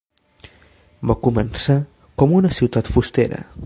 Va començar com una ciutat fustera.